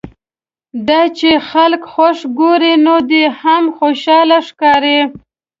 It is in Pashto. دا چې خلک خوښ ګوري نو دی هم خوشاله ښکاري.